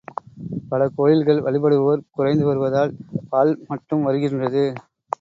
பல கோயில்கள் வழிபடுவோர் குறைந்து வருவதால் பாழ் பட்டும் வருகின்றன.